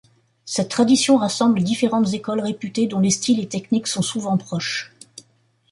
Cette tradition rassemble différentes écoles réputées, dont les styles et techniques sont souvent proches.